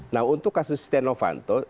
nah untuk kasus setia novanto